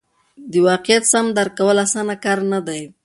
د واقعیت سم درک کول اسانه کار نه دی.